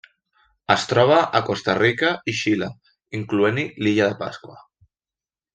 Es troba a Costa Rica i Xile, incloent-hi l'Illa de Pasqua.